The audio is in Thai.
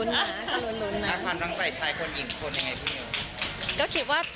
แล้วความตั้งใจชายคนหญิงคนยังไงพี่